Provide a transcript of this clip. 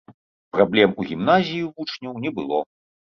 Праблем у гімназіі ў вучняў не было.